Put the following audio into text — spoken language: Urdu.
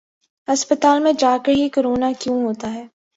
ہسپتال میں جاکر ہی کرونا کیوں ہوتا ہے ۔